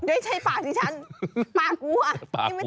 ไม่ใช่ปากดิฉันปลากลัว